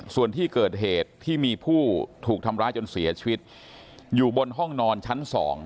ส่วนที่เกิดเหตุที่มีผู้ถูกทำร้ายจนเสียชีวิตอยู่บนห้องนอนชั้น๒